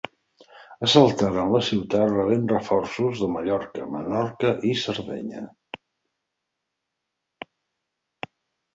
Assaltaren la ciutat rebent reforços de Mallorca, Menorca i Sardenya.